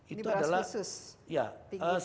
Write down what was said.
ini beras khusus